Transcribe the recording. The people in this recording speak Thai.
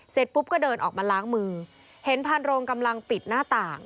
เสร็จปุ๊บก็เดินออกมาล้างมือเห็นพานโรงกำลังปิดหน้าต่าง